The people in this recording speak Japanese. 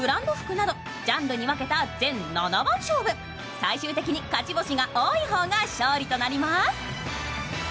最終的に勝ち星が多い方が勝利となります。